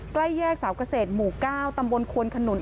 ใกล้แยกสาวกเศรษฐ์หมู่กล้าวตำบลควนขนุน